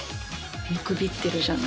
見くびってるじゃない？